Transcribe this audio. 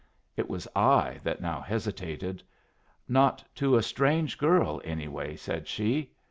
It was I that now hesitated. "Not to a strange girl, anyway!" said she.